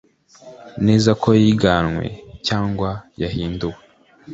neza ko yiganywe cyangwa yahinduwe